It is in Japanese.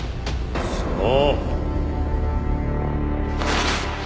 そう。